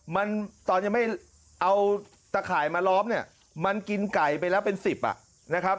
มันตอนยังไม่เอาตะข่ายมาล้อมเนี่ยมันกินไก่ไปแล้วเป็นสิบอ่ะนะครับ